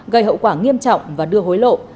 gây hậu quả nghiêm trọng và đưa hối lộ